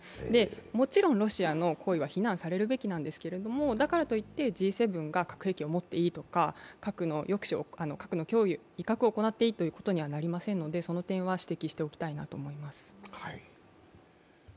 もちろんロシアの行為は非難されるべきなんですけれどもだからと言って、Ｇ７が核を持っていいとか、核の威嚇を行っていいということにはなりませんので、その点は指摘しておきたいと思います。